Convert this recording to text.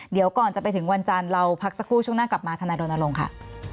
เดี๋ยวก่อนจะไปถึงวันจันทร์เราพักสักครู่ช่วงหน้ากลับมาธนายรณรงค์ค่ะ